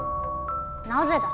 なぜだ？